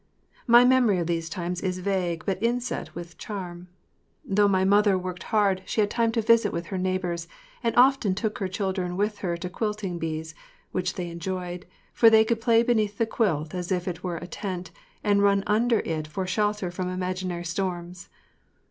My memory of these times is vague but inset with charm. Though my mother worked hard she had time to visit with her neighbors and often took her children with her to quilting bees, which they enjoyed, for they could play beneath the quilt as if it were a tent, and run under it for shelter from imaginary storms.